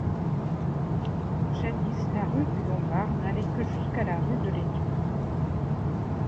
Jadis la rue du Lombard n'allait que jusqu'à la rue de l'Étuve.